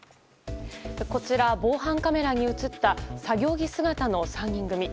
こちら、防犯カメラに映った作業着姿の３人組。